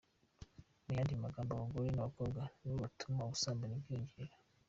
Mu yandi magambo, abagore n’abakobwa nibo batuma ubusambanyi bwiyongera.